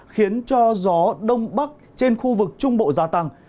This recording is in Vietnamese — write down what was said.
khiến cho gió đông bắc trên khu vực trung bộ gia tăng